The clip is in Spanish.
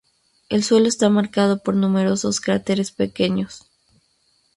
El suelo está marcado por numerosos cráteres pequeños.